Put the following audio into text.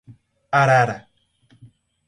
Arara